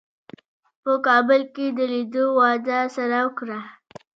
په کابل کې د لیدو وعده سره وکړه.